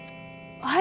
はい。